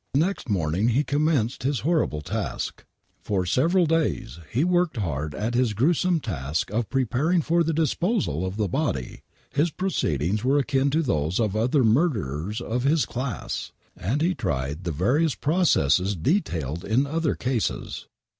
Next morning he commenced his horrible task I For several days he worked hard at his gruesome task of preparing for the disposal of the body ! His proceedings were akin to those of other murderers of his class, and he tried the various processes detailed in other cases.